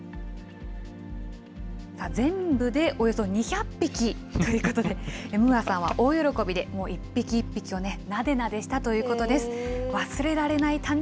全部でおよそ２００匹ということで、ムーアさんは大喜びで、もう一匹一匹をなでなでしたということです。